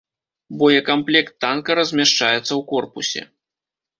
Боекамплект танка размяшчаецца ў корпусе.